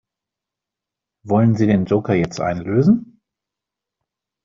Wollen Sie den Joker jetzt einlösen?